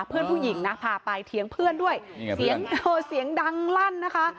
เพื่อนผู้หญิงพาไปเถียงเพื่อนด้วยเสียงดังลั่นนะคะ